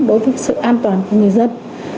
đối với sự an toàn của người dân